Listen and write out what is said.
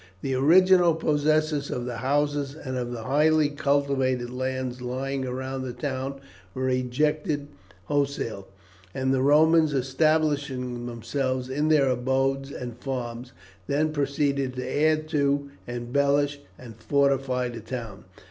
The original possessors of the houses and of the highly cultivated lands lying round the town were ejected wholesale, and the Romans, establishing themselves in their abodes and farms, then proceeded to add to, embellish, and fortify the town.